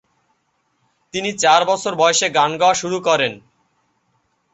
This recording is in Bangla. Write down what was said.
তিনি চার বছর বয়সে গান গাওয়া শুরু করেন।